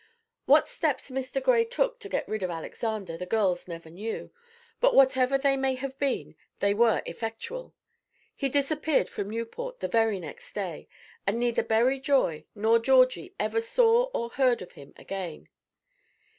What steps Mr. Gray took to get rid of Alexander, the girls never knew; but whatever they may have been, they were effectual. He disappeared from Newport the very next day, and neither Berry Joy nor Georgie ever saw or heard of him again.